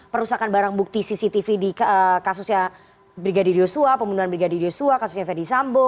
perusakan barang bukti cctv di kasusnya brigadir yosua pembunuhan brigadir yosua kasusnya fedy sambo